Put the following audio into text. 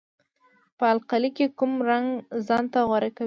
په القلي کې کوم رنګ ځانته غوره کوي؟